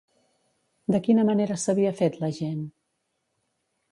De quina manera s'havia fet la gent?